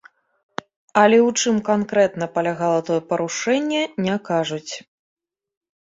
Але ў чым канкрэтна палягала тое парушэнне, не кажуць.